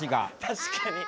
確かに。